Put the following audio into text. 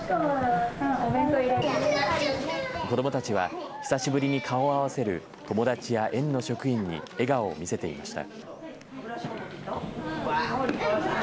子どもたちは久しぶりに顔を合わせる友達や園の職員に笑顔を見せていました。